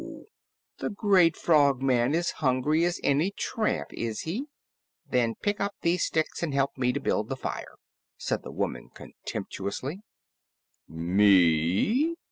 The Great Frogman is hungry as any tramp, is he? Then pick up these sticks and help me to build the fire," said the woman contemptuously. "Me!